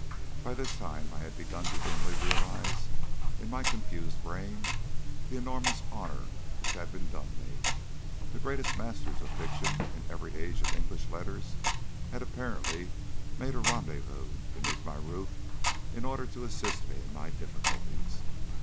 By this time I had begun to dimly realise in my confused brain the enormous honour which had been done me. The greatest masters of fiction in every age of English letters had apparently made a rendezvous beneath my roof, in order to assist me in my difficulties.